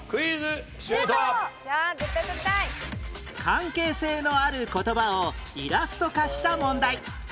関係性のある言葉をイラスト化した問題